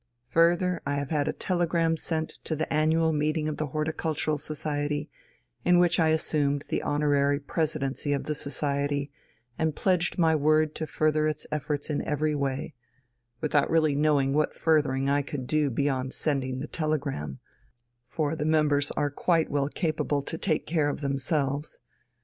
Further, I have had a telegram sent to the annual meeting of the Horticultural Society, in which I assumed the honorary Presidency of the Society and pledged my word to further its efforts in every way without really knowing what furthering I could do beyond sending the telegram, for the members are quite well able to take care of themselves.